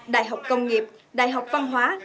đại học công nghiệp đại học văn hóa